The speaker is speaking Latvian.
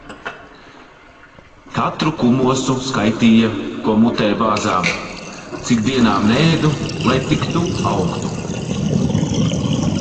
Katru kumosu skaitīja, ko mutē bāzām. Cik dienām neēdu, lai tik tu augtu.